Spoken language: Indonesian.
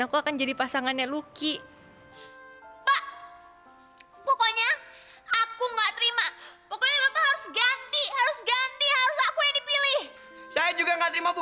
aku kan mau jadi pasangannya glenburg